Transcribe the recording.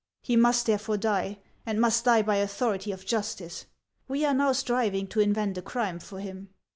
He must therefore die, and must die by authority of justice ; we are now striving to invent a crime for him.